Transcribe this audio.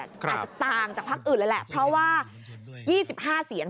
อาจจะต่างจากพักอื่นเลยแหละเพราะว่า๒๕เสียง